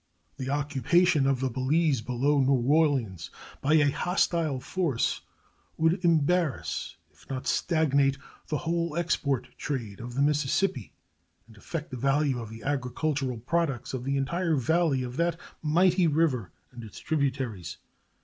The occupation of the Balize below New Orleans by a hostile force would embarrass, if not stagnate, the whole export trade of the Mississippi and affect the value of the agricultural products of the entire valley of that mighty river and its tributaries.